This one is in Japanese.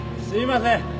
すみません。